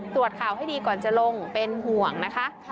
ตรวจข่าวให้ดีก่อนจะลงเป็นห่วงนะคะ